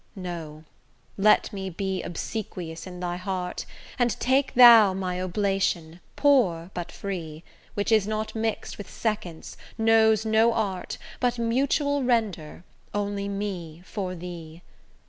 No; let me be obsequious in thy heart, And take thou my oblation, poor but free, Which is not mix'd with seconds, knows no art, But mutual render, only me for thee.